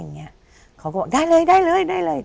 เค้าก็บอกได้เลยได้เลย